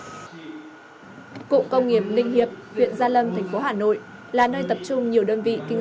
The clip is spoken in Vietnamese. cộng công nghiệp linh hiệp huyện gia lâm thành phố hà nội là nơi tập trung nhiều đơn vị kinh doanh sản xuất